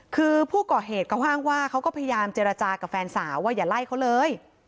คือผู้ก่อเหตุเขาอ้างว่าเขาก็พยายามเจรจากับแฟนสาวว่าอย่าไล่เขาเลย